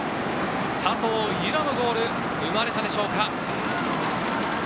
佐藤由空のゴール、生まれたでしょうか。